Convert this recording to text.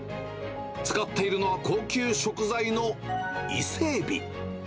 使っているのは高級食材のイセエビ。